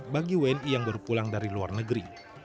bagi wni yang berpulang dari luar negeri